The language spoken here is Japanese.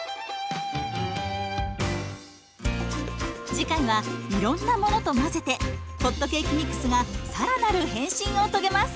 次回はいろんなものと混ぜてホットケーキミックスが更なる変身を遂げます！